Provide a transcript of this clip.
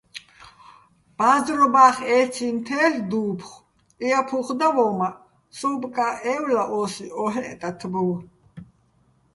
ბა́ზრობახ ე́ცინო̆ თე́ლ'ე̆ დუ́ფხო̆, იაფუხ და ვო́მაჸ, სოუბო̆-კაჸ ე́ვლა ო́სი ო́ჰეჸ ტათბუვ.